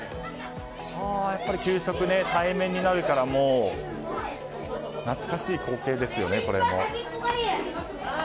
やっぱり給食が対面になると懐かしい光景ですよね、これも。